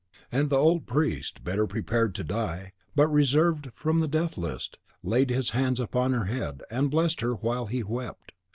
And the old priest, better prepared to die, but reserved from the death list, laid his hands on her head, and blessed her while he wept.